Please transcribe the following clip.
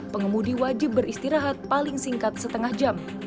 pengemudi wajib beristirahat paling singkat setengah jam